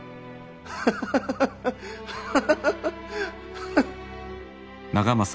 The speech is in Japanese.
ハハハハッハハハハハ。